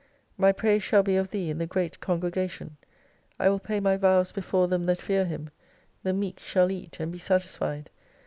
My praise shall be of Thee in the great congregation; I will pay my voivs before them that fear Him. The meek shall eat and be satisfied.